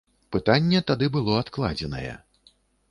Пытанне тады было адкладзенае.